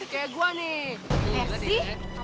kayak gue nih